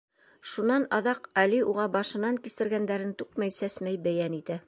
Шунан аҙаҡ Али уға башынан кисергәндәрен түкмәй-сәсмәй бәйән итә.